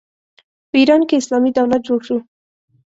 په ایران کې اسلامي دولت جوړ شو.